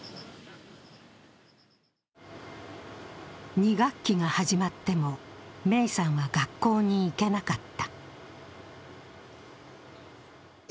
２学期が始まっても芽生さんは学校に行けなかった。